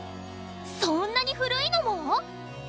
そんなに古いのも！？